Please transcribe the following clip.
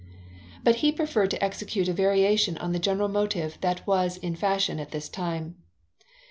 But he preferred to execute a variation on the general motive that was in fashion at this time.